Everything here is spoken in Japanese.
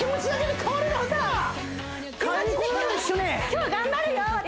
今日頑張るよ私！